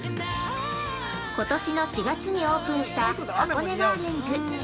◆今年の４月にオープンした「箱根ガーデンズ」。